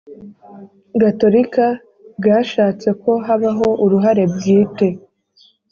gatolika bwashatse ko habaho uruhare bwite